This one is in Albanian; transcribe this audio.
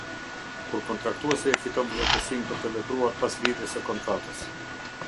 Kur kontraktuesi e fiton zotësinë për të vepruar pas lidhjes së kontratës.